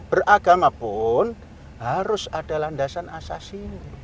beragama pun harus ada landasan asasi